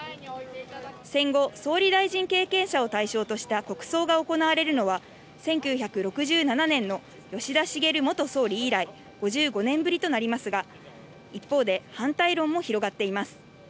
戦後、総理大臣経験者を対象とした国葬が行われるのは、１９６７年の吉田茂元総理以来、５５年ぶりとなりますが、一方で反対論も広がっています。